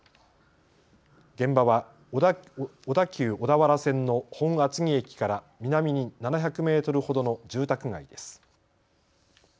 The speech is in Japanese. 現場は小田急小田原線の本厚木駅から南に７００メートルほどの住宅街です。